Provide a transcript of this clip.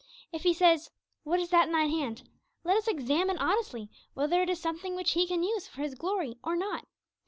If He says, 'What is that in thine hand?' let us examine honestly whether it is something which He can use for His glory or not.